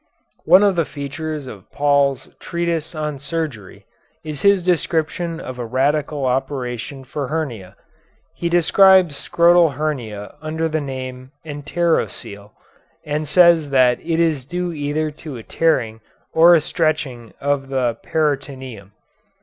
One of the features of Paul's "Treatise on Surgery" is his description of a radical operation for hernia. He describes scrotal hernia under the name enterocele, and says that it is due either to a tearing or a stretching of the peritoneum.